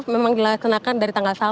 memang dilaksanakan dari tanggal satu